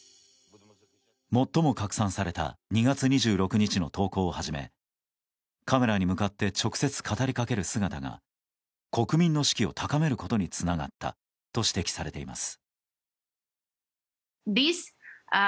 最も拡散された２月２６日の投稿をはじめカメラに向かって直接語り掛ける姿が国民の士気を高めることにつながったと指摘されています。